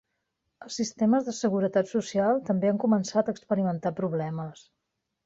Els sistemes de seguretat social també han començat a experimentar problemes.